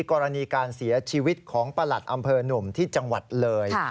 กรณีการเสียชีวิตของประหลัดอำเภอหนุ่มที่จังหวัดเลย